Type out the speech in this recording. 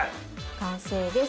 完成です。